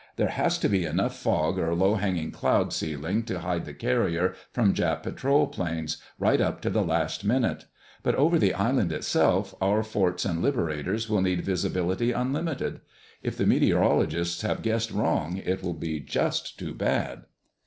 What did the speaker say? There has to be enough fog or low hanging cloud ceiling to hide the carrier from Jap patrol planes, right up to the last minute. But over the island itself our forts and Liberators will need visibility unlimited. If the meteorologists have guessed wrong, it will be just too bad."